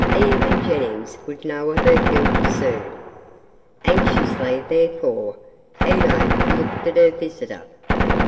Even Jennings would know of her guilt soon. Anxiously, therefore, Elaine looked at her visitor.